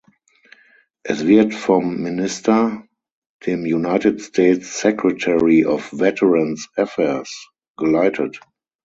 Es wird vom Minister, dem United States Secretary of Veterans Affairs, geleitet.